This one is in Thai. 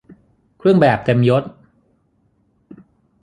เครื่องแบบเต็มยศ